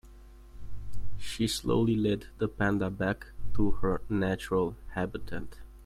She slowly led the panda back to her natural habitat.